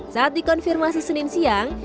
saat dikonfirmasi senin siang